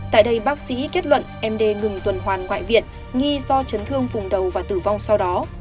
tại đây bác sĩ kết luận md ngừng tuần hoàn ngoại viện nghi do chấn thương phùng đầu và tử vong sau đó